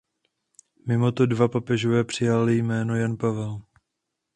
Mimo to dva papežové přijali jméno Jan Pavel.